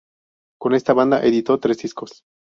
Con esta banda, editó tres discos.